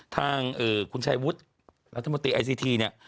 ทางคุณชายวุฒิรัฐมนตรีไอซีทีเนี่ย